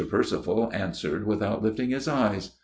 Percival answered without lifting his eyes.